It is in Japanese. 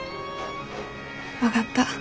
分かった。